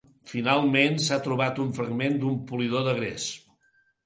Finalment, s’ha trobat un fragment d’un polidor de gres.